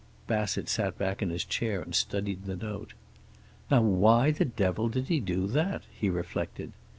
Bassett sat back in his chair and studied the note. "Now why the devil did he do that?" he reflected.